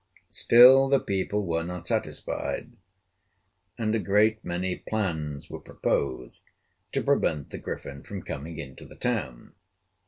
Still the people were not satisfied, and a great many plans were proposed to prevent the Griffin from coming into the town.